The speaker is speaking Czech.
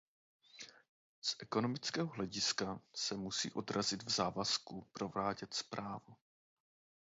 Z ekonomického hlediska se musí odrazit v závazku provádět správu.